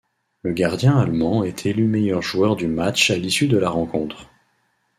Le gardien allemand est élu meilleur joueur du match à l'issue de la rencontre.